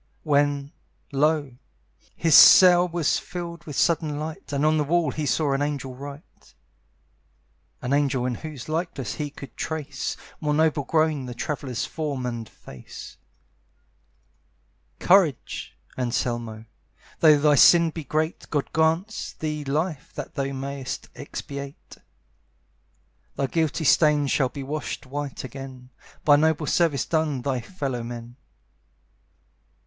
When, lo! his cell was filled with sudden light, And on the wall he saw an angel write, (An angel in whose likeness he could trace, More noble grown, the traveller's form and face), "Courage, Anselmo, though thy sin be great, God grants thee life that thou may'st expiate. "Thy guilty stains shall be washed white again, By noble service done thy fellow men.